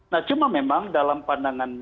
nah cuma memang dalam pandangan kami di